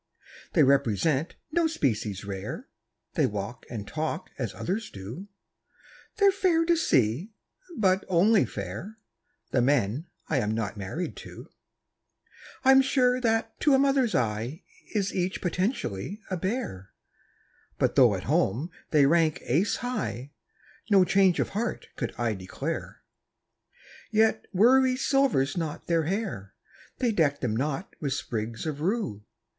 They represent no species rare, They walk and talk as others do; They're fair to see but only fair The men I am not married to. I'm sure that to a mother's eye Is each potentially a bear. But though at home they rank ace high, No change of heart could I declare. Yet worry silvers not their hair; They deck them not with sprigs of rue.